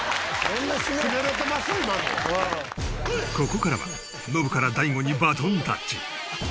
ここからはノブから大悟にバトンタッチ。